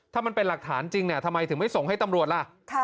ถ้ามันเป็นหลักฐานจริงทำไมถึงไม่ส่งให้ตำรวจล่ะ